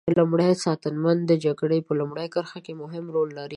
لومری ساتنمن د جګړې په لومړۍ کرښه کې مهم رول لري.